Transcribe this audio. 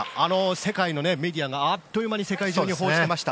世界のメディアがあっという間に世界中に報じていました。